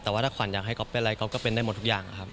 แต่ว่าถ้าขวัญอยากให้ก๊อฟเป็นอะไรก๊อฟก็เป็นได้หมดทุกอย่างครับ